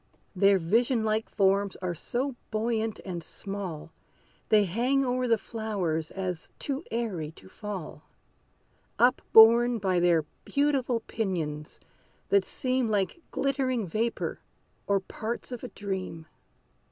Their vision like forms are so buoyant and small They hang o'er the flowers, as too airy to fall, Up borne by their beautiful pinions, that seem Like glittering vapor, or parts of a dream.